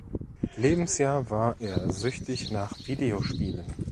Lebensjahr war er süchtig nach Videospielen.